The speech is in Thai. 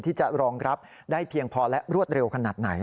ที่จะรองรับได้เพียงพอและรวดเร็วขนาดไหน